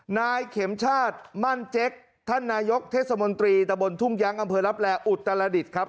นายเข็มชาติมั่นเจ๊กท่านนายกเทศมนตรีตะบนทุ่งยั้งอำเภอลับแลอุตรดิษฐ์ครับ